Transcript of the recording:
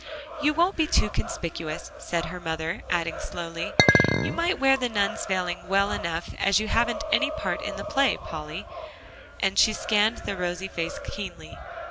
"You won't be too conspicuous," said her mother; adding slowly, "you might wear the nun's veiling well enough as you haven't any part in the play, Polly," and she scanned the rosy face keenly.